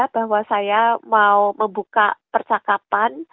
bahwa saya mau membuka percakapan